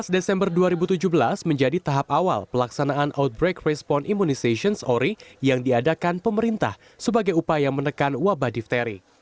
dua belas desember dua ribu tujuh belas menjadi tahap awal pelaksanaan outbreak response immunizations ori yang diadakan pemerintah sebagai upaya menekan wabah difteri